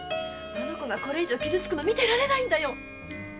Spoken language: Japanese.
あの娘がこれ以上傷つくのを見てられないんだよ！